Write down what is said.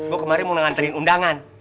gue kemarin mau nganterin undangan